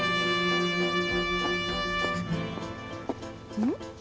うん？